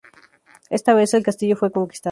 Esta vez, el castillo fue conquistado.